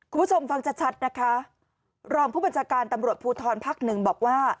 คุณผู้ชมฟังชัดชัดนะคะรองผู้บัญชาการตำรวจภูทรภักดิ์หนึ่งบอกว่า